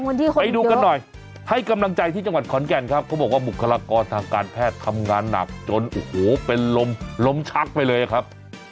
ไปดูกันหน่อยให้กำลังใจที่จังหวัดขอนแก่นครับเขาบอกว่าบุคลากรทางการแพทย์ทำงานหนักจนโอ้โหเป็นลมลมชักไปเลยครับ